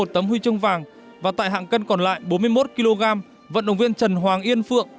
một tấm huy chương vàng và tại hạng cân còn lại bốn mươi một kg vận động viên trần hoàng yên phượng